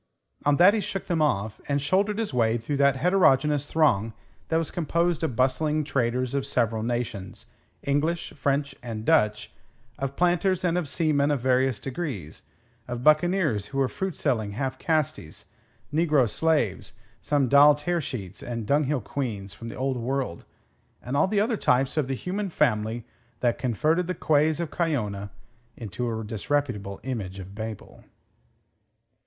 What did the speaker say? On that he shook them off, and shouldered his way through that heterogeneous throng that was composed of bustling traders of several nations English, French, and Dutch of planters and of seamen of various degrees, of buccaneers who were fruit selling half castes, negro slaves, some doll tearsheets and dunghill queans from the Old World, and all the other types of the human family that converted the quays of Cayona into a disreputable image of Babel.